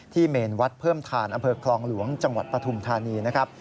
เมนวัดเพิ่มทานอำเภอคลองหลวงจังหวัดปฐุมธานีนะครับ